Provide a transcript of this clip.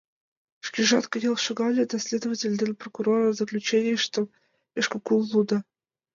Шкежат кынел шогале да следователь ден прокурорын заключенийыштым пеш кукун лудо.